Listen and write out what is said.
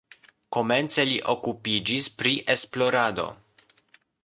Komence li okupiĝis pri esplorado.